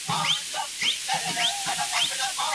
ډیپلوماټان به خلګو ته ازادي ورکړي.